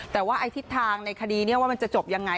แต่ว่าไอ้ทิศทางในคดีนี้ว่ามันจะจบยังไง